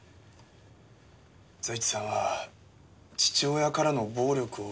財津さんは父親からの暴力を受けて育ちました。